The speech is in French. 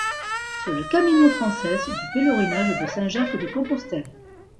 Sur le Camino francés du pèlerinage de Saint-Jacques-de-Compostelle.